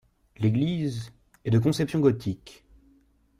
L'église est de conception gothique.